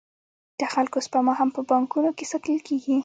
د خلکو سپما هم په بانکونو کې ساتل کېږي